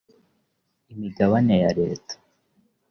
imigabane ya leta